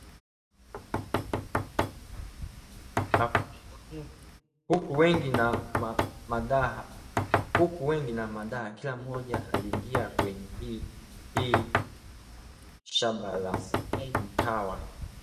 Huku wengi wa madaha, kila mmoja aliingia kwenye hili shamba la mtawa